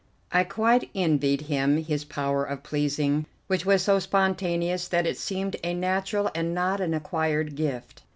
I quite envied him his power of pleasing, which was so spontaneous that it seemed a natural and not an acquired gift.